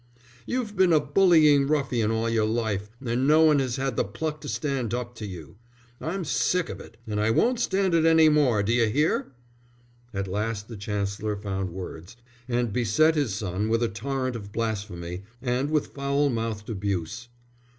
"You've been a bullying ruffian all your life, and no one has had the pluck to stand up to you. I'm sick of it, and I won't stand it any more. D'you hear?" At last the Chancellor found words, and beset his son with a torrent of blasphemy, and with foul mouthed abuse.